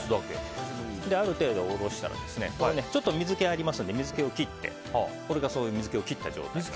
ある程度おろしたら水気がありますので水気を切ってこれが水気を切った状態。